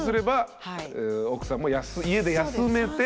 奥さんも家で休めて。